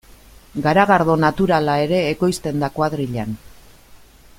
Garagardo naturala ere ekoizten da kuadrillan.